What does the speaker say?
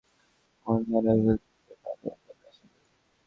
ভবিষ্যতে বাংলাদেশিরা ভারতে গিয়ে অন-অ্যারাইভাল ভিসা পাবে বলে আশা করা যায়।